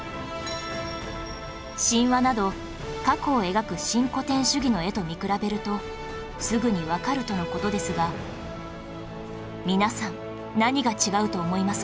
神話など過去を描く新古典主義の絵と見比べるとすぐにわかるとの事ですが皆さん何が違うと思いますか？